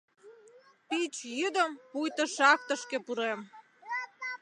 Пич йӱдым пуйто шахтышке пурем.